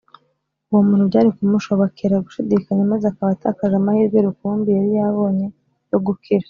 Uwo muntu byari kumushobokera gushidikanya maze akaba atakaje amahirwe rukumbi yari abonye yo gukira